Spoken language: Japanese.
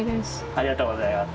ありがとうございます。